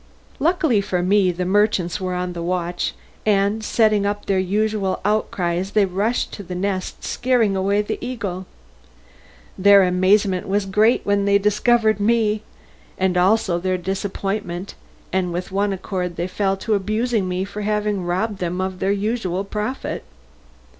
Luckily for me the merchants were on the watch, and setting up their usual outcries they rushed to the nest scaring away the eagle. Their amazement was great when they discovered me, and also their disappointment, and with one accord they fell to abusing me for having robbed them of their usual profit.